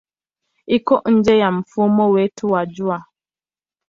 Iko nje ya mfumo wetu wa Jua.